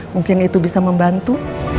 mungkin itu bisa membantu